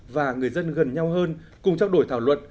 và người dân gần nhau hơn cùng trao đổi thảo luận